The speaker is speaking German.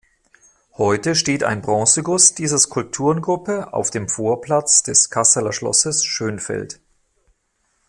Heute steht ein Bronzeguss dieser Skulpturengruppe auf dem Vorplatz des Kasseler Schlosses Schönfeld.